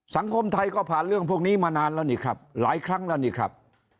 สังคมไทยก็ผ่านเรื่องพวกนี้มานานแล้วนี่ครับหลายครั้งแล้วนี่ครับ